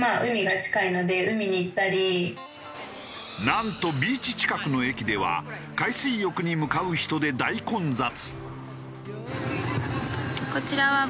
なんとビーチ近くの駅では海水浴に向かう人で大混雑。